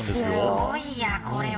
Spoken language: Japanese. すごいなこれは。